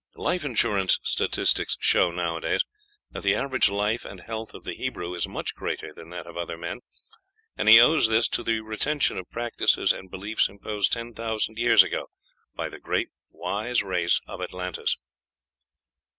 Life insurance statistics show, nowadays, that the average life and health of the Hebrew is much greater than that of other men; and he owes this to the retention of practices and beliefs imposed ten thousand years ago by the great, wise race of Atlantis.